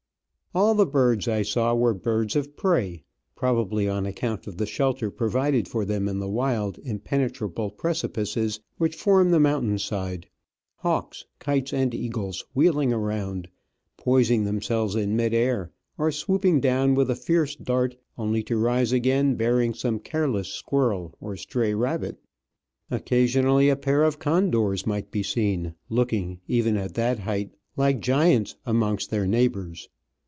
All the birds I saw were birds of prey, probably on account of the shelter provided for them in the wild, impenetrable precipices which form the mountain side ^— hawks, kites, and eagles wheeling around, poising themselves in mid air, or swooping down with a fierce dart only to rise again bearing some careless squirrel or stray rabbit. Occasionally a pair of condors might be seen, looking, even at that height, like giants amongst their neighbours.